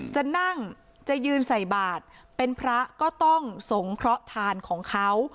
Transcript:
จะนั่งจะยืนใส่บาทเป็นพระก็ต้องสงเคราะห์ทานของเขา